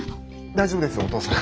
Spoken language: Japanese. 大丈夫ですお父さん。